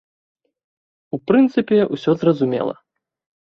У прынцыпе, усё зразумела.